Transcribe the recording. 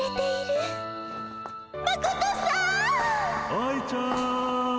愛ちゃん。